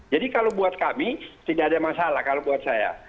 jadi kalau buat kami tidak ada masalah kalau buat saya